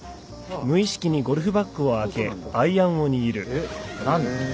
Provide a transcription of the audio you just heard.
えっ？何？へ。